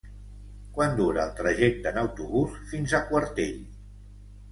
Quant dura el trajecte en autobús fins a Quartell?